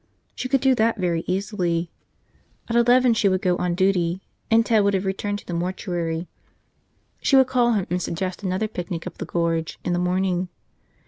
She could do that very easily. At eleven she would go on duty, and Ted would have returned to the mortuary. She would call him and suggest another picnic up the Gorge in the morning.